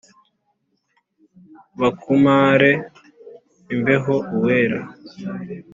Bakumare imbeho Uwera